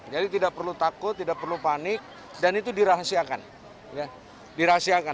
jadi tidak perlu takut tidak perlu panik dan itu dirahasiakan